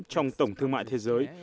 trong tổng thương mại thế giới